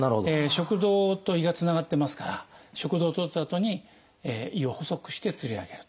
食道と胃がつながってますから食道を取ったあとに胃を細くしてつり上げると。